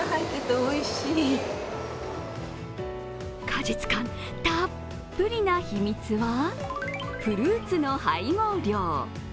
果実感たっぷりな秘密はフルーツの配合量。